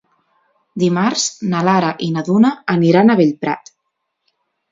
Dimarts na Lara i na Duna aniran a Bellprat.